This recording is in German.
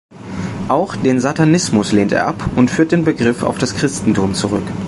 Auch den Satanismus lehnt er ab und führt den Begriff auf das Christentum zurück.